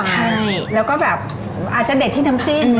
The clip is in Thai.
มันก็เหมือนทั่วไปนะแล้วก็แบบอาจจะเด็ดที่น้ำจิ้มนะ